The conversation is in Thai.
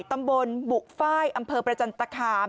ตำบลบุฟ้ายอำเภอประจันตคาม